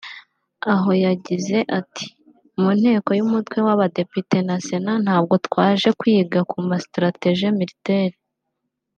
Aho yagize ati “Mu nteko y’umutwe w’abadepite na Sena ntabwo twaje kwiga ku ma ‘strategies militaries